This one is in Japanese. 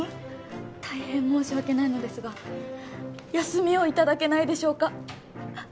大変申し訳ないのですが休みをいただけないでしょうか？